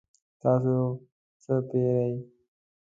تاسو څه پیرئ؟